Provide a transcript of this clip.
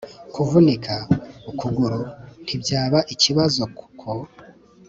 kuvunika ukuguru ntibyaba ikibazo kuko